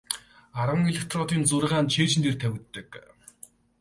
Арван электродын зургаа нь цээжин дээр тавигддаг.